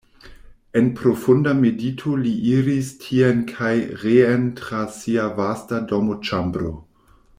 En profunda medito li iris tien kaj reen tra sia vasta dormoĉambro.